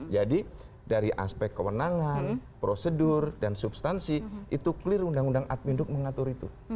jadi dari aspek kewenangan prosedur dan substansi itu clear undang undang adminuk mengatur itu